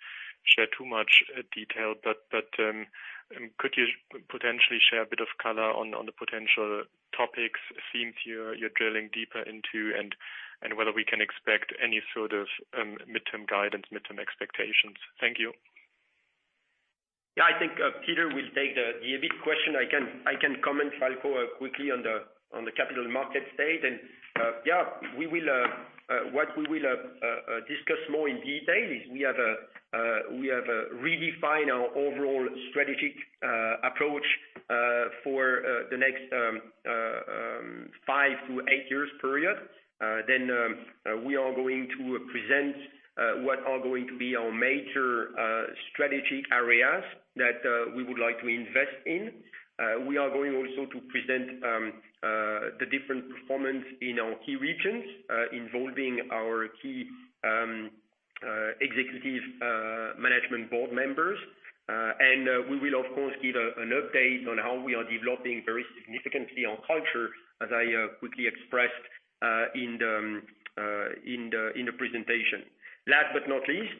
share too much detail, but could you potentially share a bit of color on the potential topics, themes you're drilling deeper into, and whether we can expect any sort of midterm guidance, midterm expectations? Thank you. Yeah, I think Peter will take the EBIT question. I can comment, Falko, quickly on the capital markets day. What we will discuss more in detail is we have redefined our overall strategic approach for the next five to eight years period. We are going to present what are going to be our major strategic areas that we would like to invest in. We are also going to present the different performance in our key regions involving our key executive management board members. We will, of course, give an update on how we are developing very significantly our culture, as I quickly expressed in the presentation. Last but not least,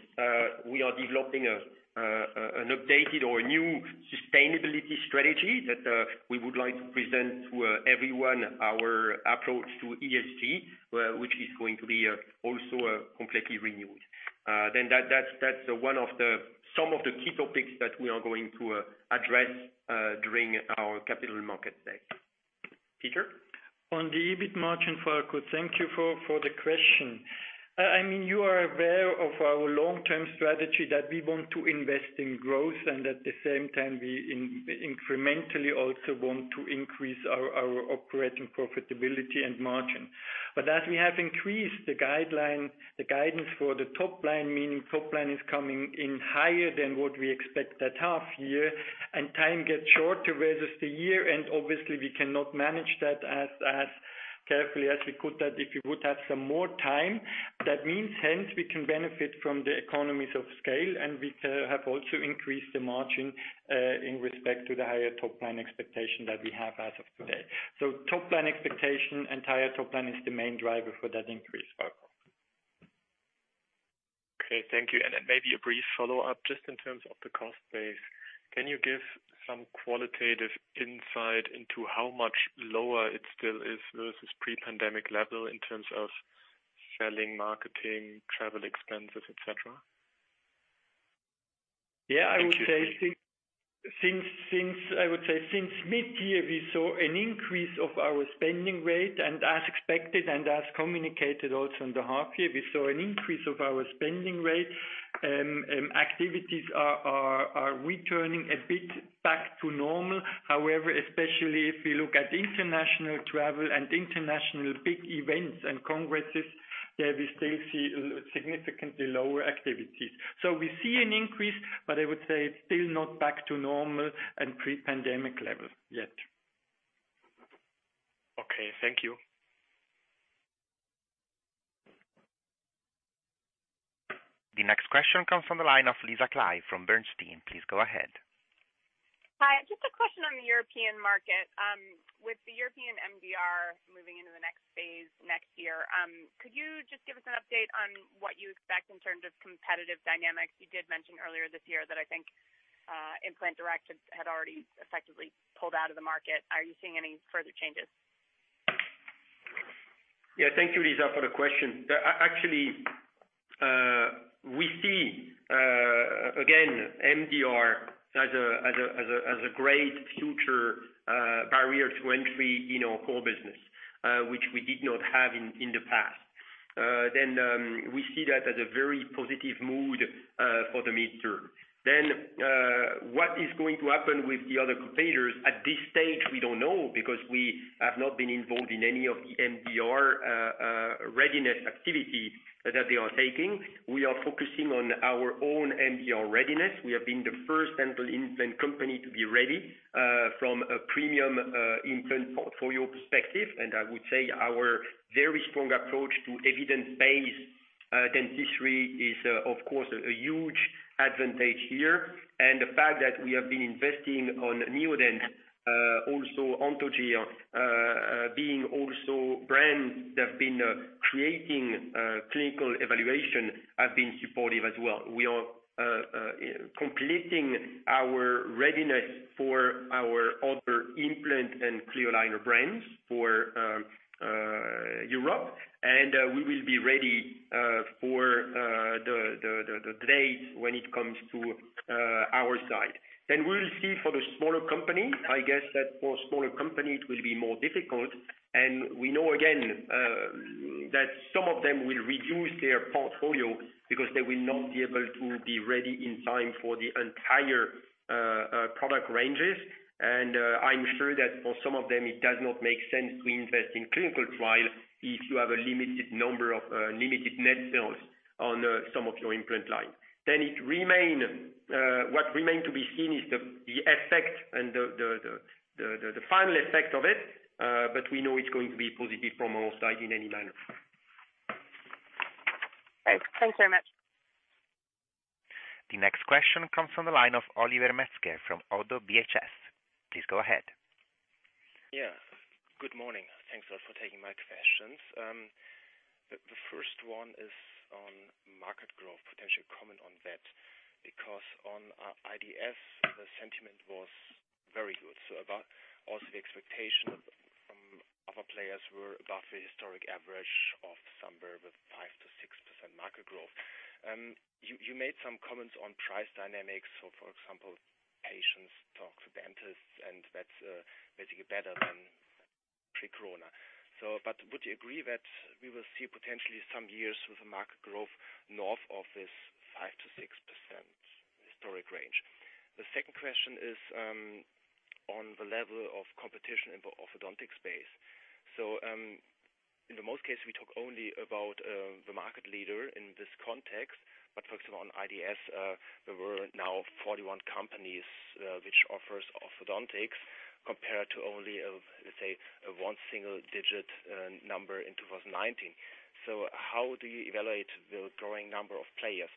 we are developing an updated or a new sustainability strategy that we would like to present to everyone, our approach to ESG, which is going to be also completely renewed. That is one of some of the key topics that we are going to address during our capital markets day. Peter? On the EBIT margin for our quarter, thank you for the question. I mean, you are aware of our long-term strategy that we want to invest in growth and at the same time we incrementally also want to increase our operating profitability and margin. As we have increased the guidelines for the top line, meaning top line is coming in higher than what we expect at half year, and time gets shorter versus the year, obviously we cannot manage that as carefully as we could if we would have some more time. That means hence we can benefit from the economies of scale, and we have also increased the margin in respect to the higher top line expectation that we have as of today. Top line expectation and higher top line is the main driver for that increase, Falko. Okay, thank you. Maybe a brief follow-up just in terms of the cost base. Can you give some qualitative insight into how much lower it still is versus pre-pandemic level in terms of selling, marketing, travel expenses, etc.? Yeah, I would say since mid-year, we saw an increase of our spending rate, and as expected and as communicated also in the half year, we saw an increase of our spending rate. Activities are returning a bit back to normal. However, especially if we look at international travel and international big events and congresses, there we still see significantly lower activities. We see an increase, but I would say it's still not back to normal and pre-pandemic level yet. Okay, thank you. The next question comes from the line of Lisa Clive from Bernstein. Please go ahead. Hi, just a question on the European market. With the European MDR moving into the next phase next year, could you just give us an update on what you expect in terms of competitive dynamics? You did mention earlier this year that I think Implant Direct had already effectively pulled out of the market. Are you seeing any further changes? Yeah, thank you, Lisa, for the question. Actually, we see, again, MDR as a great future barrier to entry in our core business, which we did not have in the past. We see that as a very positive mood for the midterm. What is going to happen with the other competitors at this stage, we don't know because we have not been involved in any of the MDR readiness activity that they are taking. We are focusing on our own MDR readiness. We have been the first dental implant company to be ready from a premium implant portfolio perspective. I would say our very strong approach to evidence-based dentistry is, of course, a huge advantage here. The fact that we have been investing on Neodent, also Anthogyr, being also brands that have been creating clinical evaluation, have been supportive as well. We are completing our readiness for our other implant and clear aligner brands for Europe, and we will be ready for the date when it comes to our side. We will see for the smaller companies. I guess that for smaller companies, it will be more difficult. We know, again, that some of them will reduce their portfolio because they will not be able to be ready in time for the entire product ranges. I'm sure that for some of them, it does not make sense to invest in clinical trial if you have a limited number of limited net sales on some of your implant lines. What remains to be seen is the effect and the final effect of it, but we know it's going to be positive from our side in any manner. Okay, thanks very much. The next question comes from the line of Oliver Metzger from ODDO BHF. Please go ahead. Yeah, good morning. Thanks a lot for taking my questions. The first one is on market growth, potentially comment on that because on IDS, the sentiment was very good. Also, the expectation from other players was above the historic average of somewhere with 5%-6% market growth. You made some comments on price dynamics. For example, patients talk to dentists, and that's basically better than pre-Corona. Would you agree that we will see potentially some years with a market growth north of this 5%-6% historic range? The second question is on the level of competition in the orthodontic space. In most cases, we talk only about the market leader in this context, but for example, at IDS, there were now 41 companies which offer orthodontics compared to only, let's say, a one single digit number in 2019. How do you evaluate the growing number of players?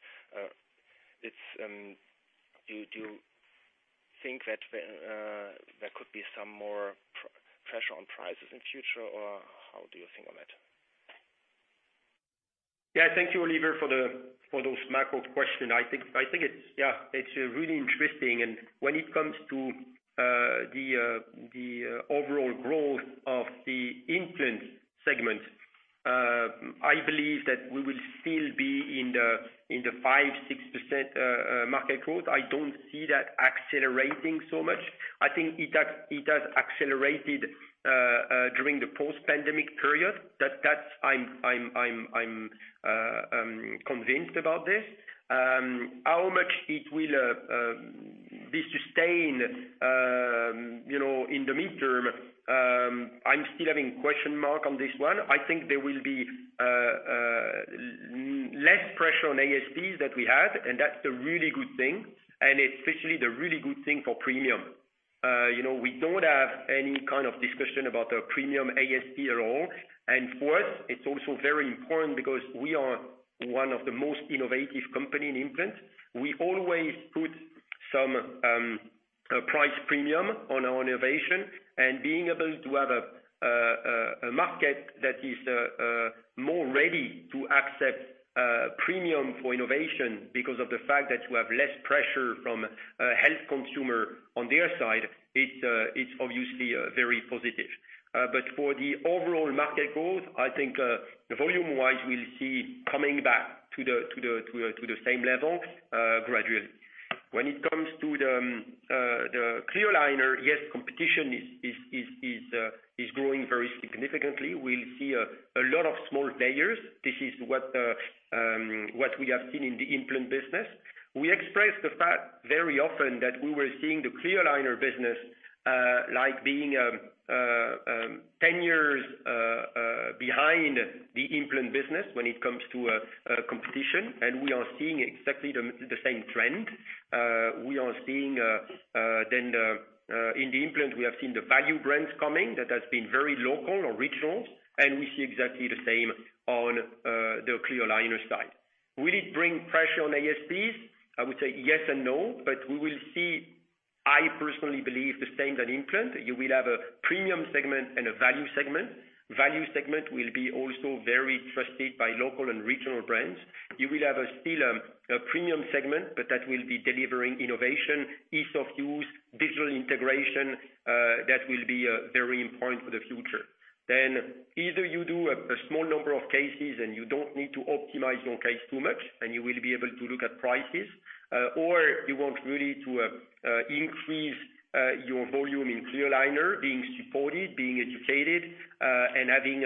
Do you think that there could be some more pressure on prices in the future, or how do you think on that? Yeah, thank you, Oliver, for those macro questions. I think, yeah, it's really interesting. When it comes to the overall growth of the implant segment, I believe that we will still be in the 5%-6% market growth. I don't see that accelerating so much. I think it has accelerated during the post-pandemic period. I'm convinced about this. How much it will be sustained in the midterm, I'm still having question marks on this one. I think there will be less pressure on ASPs that we had, and that's a really good thing, and especially a really good thing for premium. We don't have any kind of discussion about a premium ASP at all. For us, it's also very important because we are one of the most innovative companies in implants. We always put some price premium on our innovation and being able to have a market that is more ready to accept premium for innovation because of the fact that you have less pressure from health consumers on their side, it is obviously very positive. For the overall market growth, I think volume-wise, we will see coming back to the same level gradually. When it comes to the Clear aligner, yes, competition is growing very significantly. We will see a lot of small players. This is what we have seen in the implant business. We expressed the fact very often that we were seeing the Clear aligner business like being 10 years behind the implant business when it comes to competition, and we are seeing exactly the same trend. We are seeing then in the implant, we have seen the value brands coming that have been very local or regional, and we see exactly the same on the Clear aligner side. Will it bring pressure on ASPs? I would say yes and no, but we will see, I personally believe, the same than implant. You will have a premium segment and a value segment. Value segment will be also very trusted by local and regional brands. You will have still a premium segment, but that will be delivering innovation, ease of use, digital integration that will be very important for the future. Either you do a small number of cases and you do not need to optimize your case too much, and you will be able to look at prices, or you want really to increase your volume in Clear aligner, being supported, being educated, and having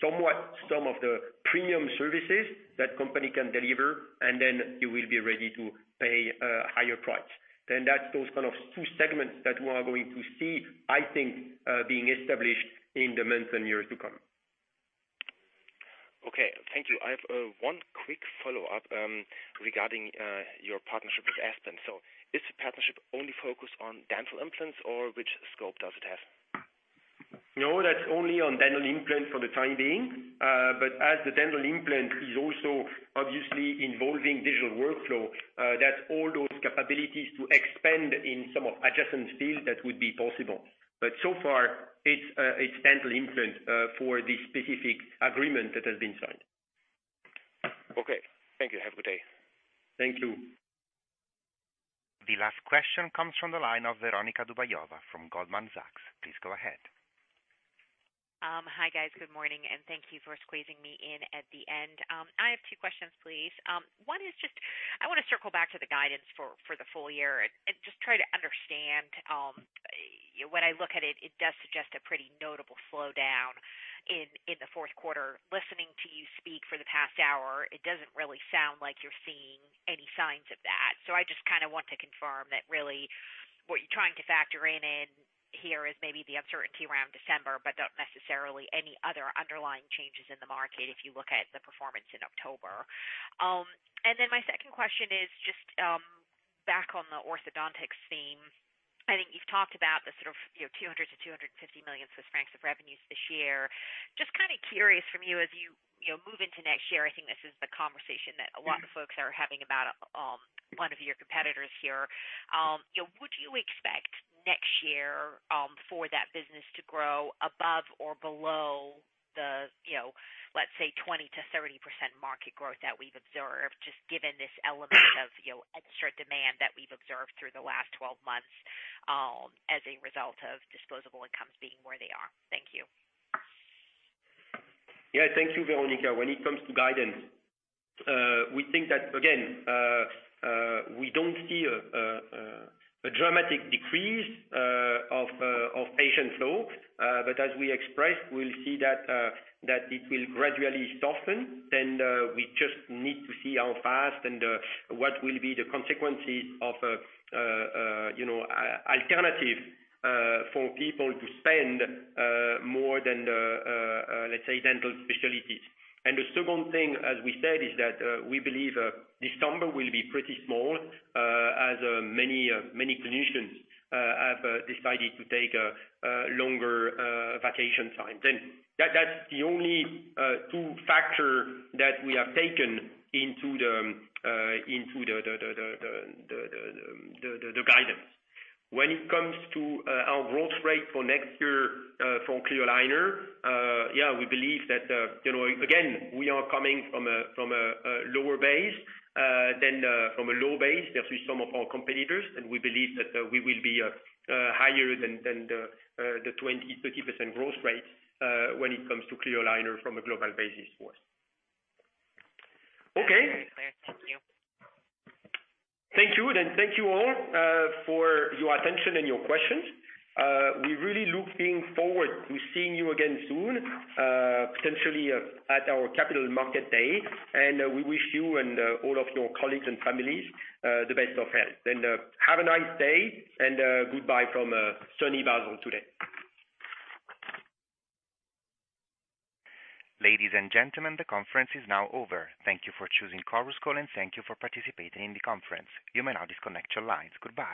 somewhat some of the premium services that company can deliver, and then you will be ready to pay a higher price. That is those kind of two segments that we are going to see, I think, being established in the months and years to come. Okay, thank you. I have one quick follow-up regarding your partnership with Aspen. Is the partnership only focused on dental implants, or which scope does it have? No, that is only on dental implants for the time being. As the dental implant is also obviously involving digital workflow, that is all those capabilities to expand in some of adjacent fields that would be possible. So far, it is dental implants for the specific agreement that has been signed. Okay, thank you. Have a good day. Thank you. The last question comes from the line of Veronika Dubajova from Goldman Sachs. Please go ahead. Hi, guys. Good morning, and thank you for squeezing me in at the end. I have two questions, please. One is just I want to circle back to the guidance for the full year and just try to understand. When I look at it, it does suggest a pretty notable slowdown in the fourth quarter. Listening to you speak for the past hour, it does not really sound like you are seeing any signs of that. I just kind of want to confirm that really what you're trying to factor in here is maybe the uncertainty around December, but not necessarily any other underlying changes in the market if you look at the performance in October. My second question is just back on the orthodontics theme. I think you've talked about the sort of 200 million-250 million Swiss francs of revenues this year. Just kind of curious from you as you move into next year, I think this is the conversation that a lot of folks are having about one of your competitors here. Would you expect next year for that business to grow above or below the, let's say, 20%-30% market growth that we've observed, just given this element of extra demand that we've observed through the last 12 months as a result of disposable incomes being where they are? Thank you. Yeah, thank you, Veronika. When it comes to guidance, we think that, again, we don't see a dramatic decrease of patient flow, but as we expressed, we'll see that it will gradually soften. We just need to see how fast and what will be the consequences of alternatives for people to spend more than, let's say, dental specialties. The second thing, as we said, is that we believe December will be pretty small as many clinicians have decided to take a longer vacation time. That is the only two factors that we have taken into the guidance. When it comes to our growth rate for next year for Clear aligner, yeah, we believe that, again, we are coming from a lower base than from a low base versus some of our competitors, and we believe that we will be higher than the 20%-30% growth rate when it comes to clear aligner from a global basis for us. Okay. Thank you. Thank you, and thank you all for your attention and your questions. We really look forward to seeing you again soon, potentially at our capital market day, and we wish you and all of your colleagues and families the best of health. Have a nice day and goodbye from sunny Basel today. Ladies and gentlemen, the conference is now over. Thank you for choosing [Chorus Call], and thank you for participating in the conference. You may now disconnect your lines. Goodbye.